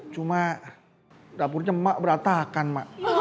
cuma dapurnya mak beratakan mak